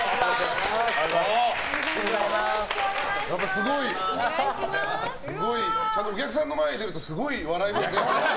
すごい、ちゃんとお客さんの前に出るとすごい笑いが。